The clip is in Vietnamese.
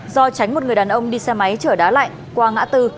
do tránh một người đàn ông đi xe máy chở đá lạnh qua ngã tư